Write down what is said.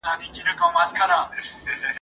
دوې یې توري غټي سترګي وې په سر کي !.